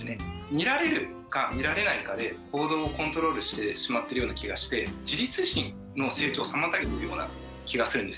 見られるか見られないかで行動をコントロールしてしまってるような気がして自立心の成長を妨げてるような気がするんですね。